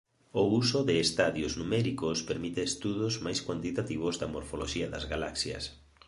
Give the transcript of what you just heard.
O uso de estadios numéricos permite estudos máis cuantitativos da morfoloxía das galaxias.